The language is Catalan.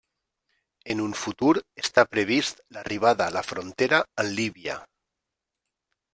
En un futur està previst l'arribada a la frontera amb Líbia.